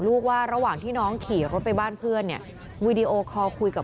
ว่าระหว่างที่น้องขี่รถไปบ้านเพื่อนเนี่ยวีดีโอคอลคุยกับ